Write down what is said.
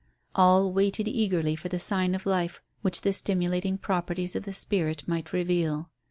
All waited eagerly for the sign of life which the stimulating properties of the spirit might reveal.